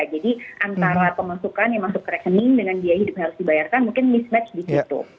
jadi antara pemasukan yang masuk ke rekening dengan biaya hidup yang harus dibayarkan mungkin mismatch di situ